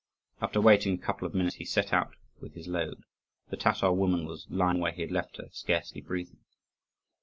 After waiting a couple of minutes he set out with his load. The Tatar woman was lying where he had left her, scarcely breathing.